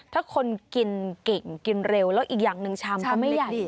ถ้าคนกินเก่งกินเร็วแล้วอีกอย่างหนึ่งชามก็ไม่ใหญ่